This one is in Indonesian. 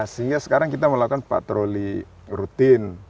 sehingga sekarang kita melakukan patroli rutin